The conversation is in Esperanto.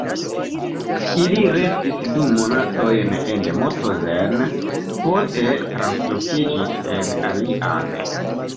Ili restis du monatojn en Mauthausen, poste translokiĝis en alian.